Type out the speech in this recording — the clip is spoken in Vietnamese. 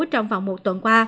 trong vòng một tuần qua